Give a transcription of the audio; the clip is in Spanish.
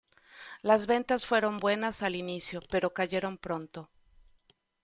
Las ventas fueron buenas al inicio, pero cayeron pronto.